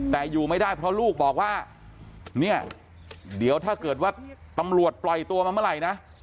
แต่อยู่ไม่ได้เพราะลูกบอกว่าเนี่ยเดี๋ยวถ้าเกิดว่าตำรวจปล่อยตัวมาเมื่อไหร่นะ